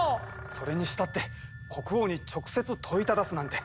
それにしたって国王に直接問いただすなんて。